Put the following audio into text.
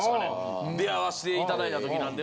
出会わしていただいたときなんで。